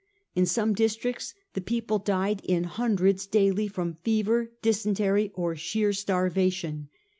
In some districts the people died in hundreds daily from fever, dysentery, or sheer starvation.